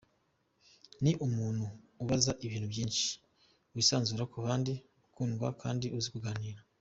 Ni umuntu ubaza ibintu byinshi, wisanzura ku bandi, ukundwa kandi uzi kuganira.